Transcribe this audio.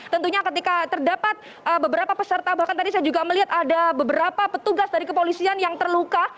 tentunya ketika terdapat beberapa peserta bahkan tadi saya juga melihat ada beberapa petugas dari kepolisian yang terluka